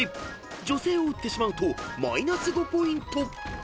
［女性を撃ってしまうとマイナス５ポイント］